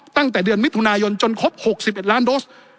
ตั้งแต่เดือนมิถุนายนจนครบ๖๑ล้านโดส